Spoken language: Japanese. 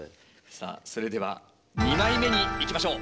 さあそれでは２枚目にいきましょう！